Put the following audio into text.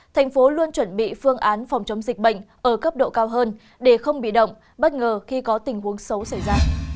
thành phố luôn chuẩn bị phương án phòng chống dịch bệnh ở cấp độ cao hơn để không bị động bất ngờ khi có tình huống xấu xảy ra